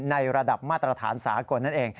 ในระดับมาตรฐานสากลนั่นเอง